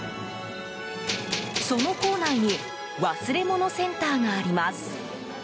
その構内に忘れ物センターがあります。